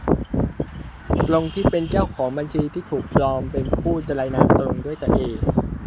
ตรงที่เป็นเจ้าของบัญชีที่ถูกปลอมเป็นผู้รายงานตรงด้วยตัวเอง